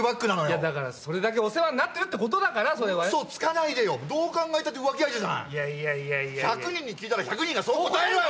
いやだからそれだけお世話になってるってことだからそれは嘘つかないでよどう考えたって浮気相手じゃないいやいやいや１００人に聞いたら１００人がそう答えるんだろ！